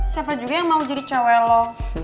siapa juga yang mau jadi cawe lo